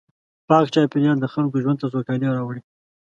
پاک چاپېریال د خلکو ژوند ته سوکالي راوړي.